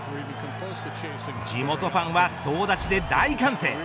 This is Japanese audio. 地元ファンは総立ちで大歓声。